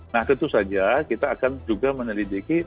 nah tentu saja kita akan juga meneliti